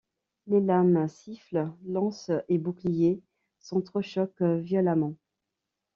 Les lames sifflent, lances et boucliers s'entrechoquent violemment.